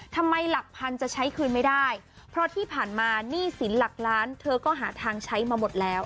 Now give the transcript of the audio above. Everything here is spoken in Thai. หลักพันจะใช้คืนไม่ได้เพราะที่ผ่านมาหนี้สินหลักล้านเธอก็หาทางใช้มาหมดแล้ว